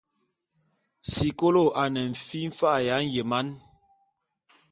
Sikolo ane fi mfa’a ya nyeman.